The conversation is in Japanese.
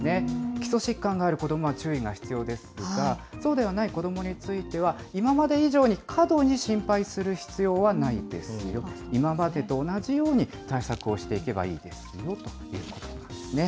基礎疾患がある子どもは注意が必要ですが、そうではない子どもについては、今まで以上に過度に心配する必要はないですよ、今までと同じように対策をしていけばいいですよということなんですね。